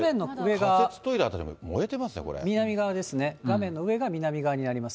仮設トイレ、燃えてますね、南側ですね、画面の上が南側になります。